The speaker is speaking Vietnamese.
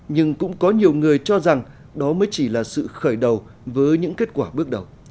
nhưng cũng có nhiều người cho rằng đó mới chỉ là sự khởi đầu với những kết quả bước đầu